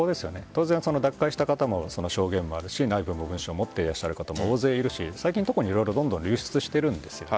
当然、脱会した方の証言もあるし内部文書を持っている方も大勢いるしどんどん流出しているんです。